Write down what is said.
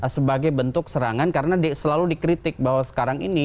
sebagai bentuk serangan karena selalu dikritik bahwa sekarang ini